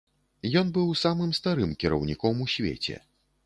Ён быў самым старым кіраўніком у свеце.